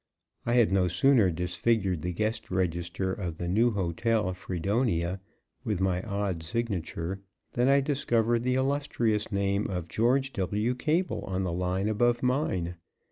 I had no sooner disfigured the guest register of the New Hotel, Fredonia, with my odd signature than I discovered the illustrious name of Geo. W. Cable on the line above mine.